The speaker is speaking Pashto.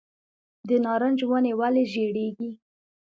د نارنج ونې ولې ژیړیږي؟